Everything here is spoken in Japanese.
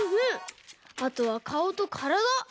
あとはかおとからだ。